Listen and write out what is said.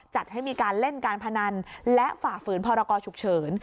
จัดให้มีการเล่นการพนันและฝ่าฝืนพรกรฉุกเฉิน